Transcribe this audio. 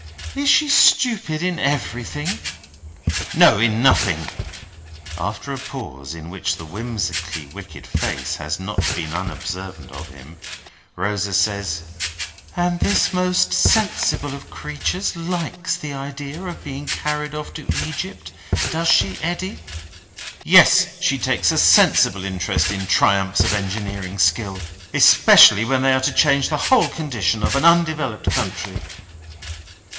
Is she stupid in everything?" "No; in nothing." After a pause, in which the whimsically wicked face has not been unobservant of him, Rosa says: "And this most sensible of creatures likes the idea of being carried off to Egypt; does she, Eddy?" "Yes. She takes a sensible interest in triumphs of engineering skill: especially when they are to change the whole condition of an undeveloped country."